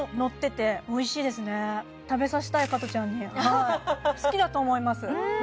食べさせたい加トちゃんに好きだと思います